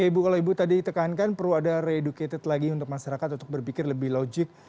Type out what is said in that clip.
ibu kalau ibu tadi tekankan perlu ada reducated lagi untuk masyarakat untuk berpikir lebih logik